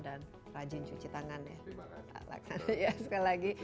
dan rajin cuci tangan ya